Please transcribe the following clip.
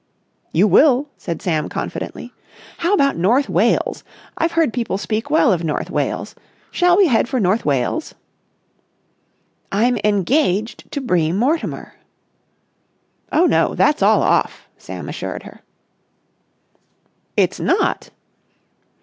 "You will!" said Sam confidently. "How about North Wales? I've heard people speak well of North Wales. Shall we head for North Wales?" "I'm engaged to Bream Mortimer." "Oh no, that's all off," Sam assured her. "It's not!"